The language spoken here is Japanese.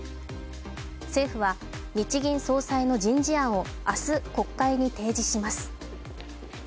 政府は日銀総裁の人事案を明日、国会に提示します。